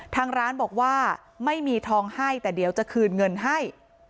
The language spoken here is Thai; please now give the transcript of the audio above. ทางร้านบอกว่าไม่มีทองให้แต่เดี๋ยวจะคืนเงินให้